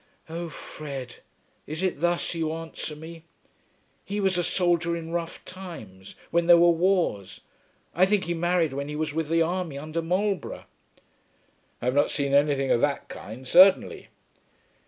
"Oh, Fred, is it thus you answer me! He was a soldier in rough times, when there were wars. I think he married when he was with the army under Marlborough." "I have not seen anything of that kind, certainly."